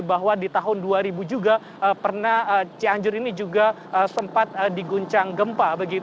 bahwa di tahun dua ribu juga pernah cianjur ini juga sempat diguncang gempa